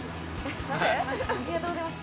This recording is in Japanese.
ありがとうございます。